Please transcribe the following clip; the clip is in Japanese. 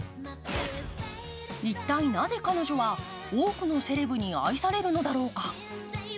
一体なぜ彼女は多くのセレブに愛されるのだろうか。